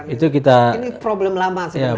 ini problem lama sebenarnya